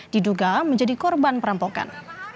diduga menjadi korban perampokan